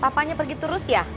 papanya pergi terus ya